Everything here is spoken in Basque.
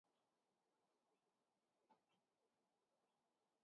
Edonola ere, erkidego bakoitzak beste hainbat neurri gehigarri hartzeko eskumena dauka.